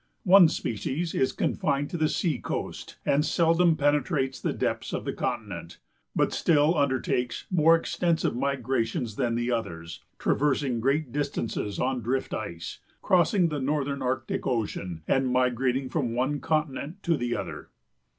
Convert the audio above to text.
One species is confined to the sea coast and seldom penetrates the depths of the continent, but still undertakes more extensive migrations than the others, traversing great distances on drift ice, crossing the northern Arctic Ocean and migrating from one continent to the other."